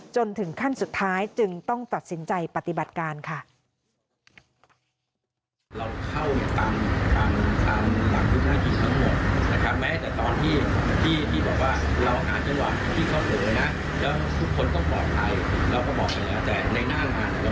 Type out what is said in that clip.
จนถึงขั้นสุดท้ายจึงต้องตัดสินใจปฏิบัติการค่ะ